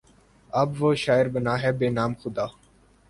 اب وہ شاعر بنا ہے بہ نام خدا